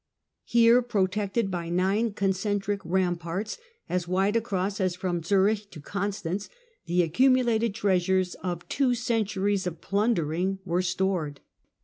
Here, protected by nine concentric ramparts, " as wide across as from Zurich to Constance," the accumulated treasures of two centuries of plundering were stored.